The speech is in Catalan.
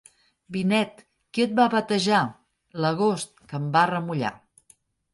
Vinet, qui et va batejar? L'agost que em va remullar.